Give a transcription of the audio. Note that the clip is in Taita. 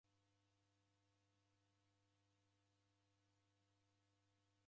Iji ini indo ja kaw'I kumbwada.